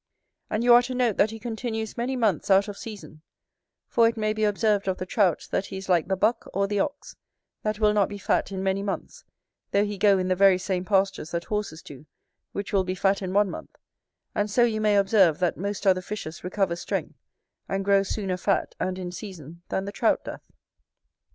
And you are to note, that he continues many months out of season; for it may be observed of the Trout, that he is like the Buck or the Ox, that will not be fat in many months, though he go in the very same pastures that horses do, which will be fat in one month: and so you may observe, That most other fishes recover strength, and grow sooner fat and in season than the Trout doth.